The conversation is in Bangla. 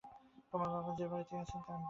তোমার বাবা যে বাড়িতেই আছেন তা আমি জানি।